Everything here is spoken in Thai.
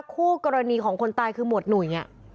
คู่กรณีของคนตายคือหมวดหนุ่ย